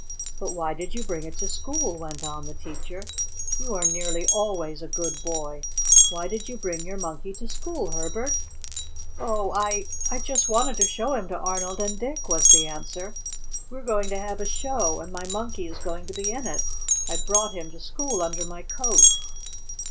"But why did you bring it to school?" went on the teacher. "You are nearly always a good boy. Why did you bring your Monkey to school, Herbert?" "Oh, I I just wanted to show him to Arnold and Dick," was the answer. "We're going to have a show, and my Monkey is going to be in it. I brought him to school under my coat!"